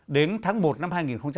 đến tháng một năm hai nghìn hai mươi